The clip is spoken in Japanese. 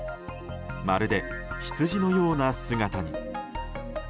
まるで羊のような姿に。